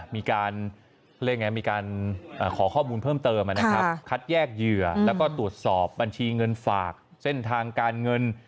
มีการขอข้อมูลเพิ่มเติมคัดแยกเหยื่อแล้วก็ตรวจสอบบัญชีเงินฝากเส้นทางการเงิน